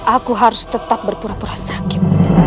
aku harus tetap berpura pura sakit